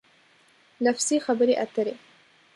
لفظي خبرې اترې